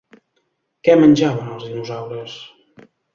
Què menjaven els dinosaures?